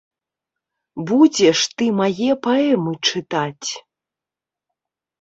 Будзеш ты мае паэмы чытаць!